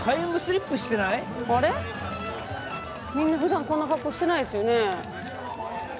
みんなふだんこんな格好してないですよね。